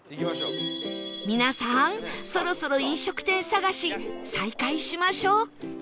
皆さんそろそろ飲食店探し再開しましょう